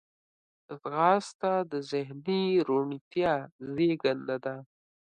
ځغاسته د ذهني روڼتیا زیږنده ده